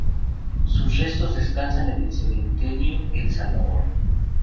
Sus restos descansan en el Cementerio El Salvador.